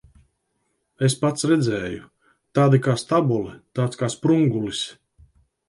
Es pats redzēju. Tāda kā stabule, tāds kā sprungulis.